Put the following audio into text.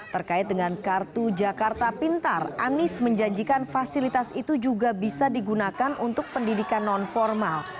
terkait dengan kartu jakarta pintar anies menjanjikan fasilitas itu juga bisa digunakan untuk pendidikan non formal